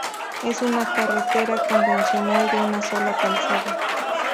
Es una carretera convencional de una sola calzada.